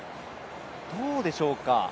どうでしょうか。